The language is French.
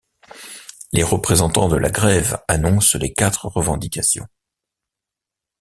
Les représentants de la grève annoncent les quatre revendications.